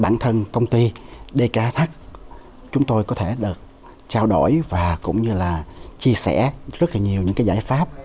bản thân công ty dk chúng tôi có thể được trao đổi và cũng như là chia sẻ rất là nhiều những cái giải pháp